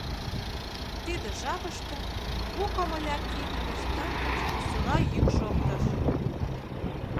Тиде жапыште пу комыля кийыме верстак гыч весела йӱк шоктыш: